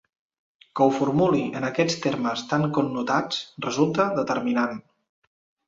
Que ho formuli en aquests termes tan connotats resulta determinant.